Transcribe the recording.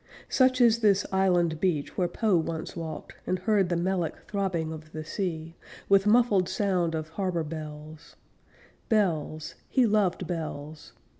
Such is this island beach where Poe once walked, And heard the melic throbbing of the sea, With muffled sound of harbor bells Bells he loved bells!